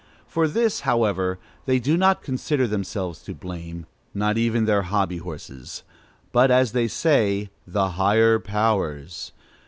For this, however, they do not consider themselves to blame, not even their hobby horses; but, as they say, "the higher powers."